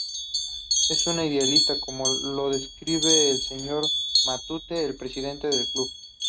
Es un idealista, como lo describe el Sr. Matute, el presidente del Club.